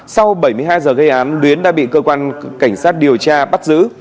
sau bảy mươi hai giờ gây án luyến đã bị cơ quan cảnh sát điều tra bắt giữ